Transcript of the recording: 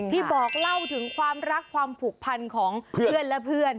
ที่บอกเล่าถึงความรักความผูกพันของเพื่อนและเพื่อน